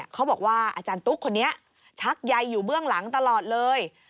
เขาบอกว่าอาจารย์ตุ๊กคนนี้ชักใยอยู่เบื้องหลังตลอดเลย